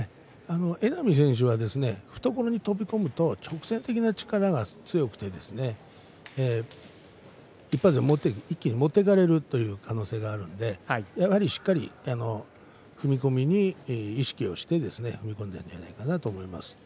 榎波選手は懐に飛び込むと直線的な力が強くて１発で一気に持っていかれるという可能性があるのでやはりしっかり踏み込み意識をして踏み込んでいるんじゃないかなと思います。